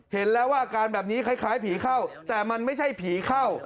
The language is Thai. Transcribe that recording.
เห็นแล้วว่าอาการแบบนี้คล้ายผีเข้าแต่มันไม่ใช่ผีเข้า